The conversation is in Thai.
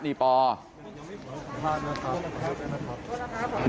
นี่พอขอบคุณครับขอบคุณครับขอบคุณครับ